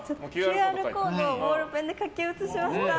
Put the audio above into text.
ＱＲコードをボールペンで書き写しました。